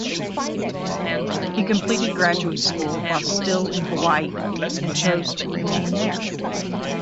He completed graduate school while still in Hawaii and chose to remain there.